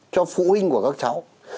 cho phụ huynh của các cháu